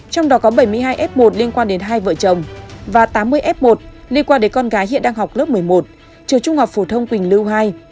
trong đó có bảy mươi hai f một liên quan đến hai vợ chồng và tám mươi f một liên quan đến con gái hiện đang học lớp một mươi một trường trung học phổ thông quỳnh lưu hai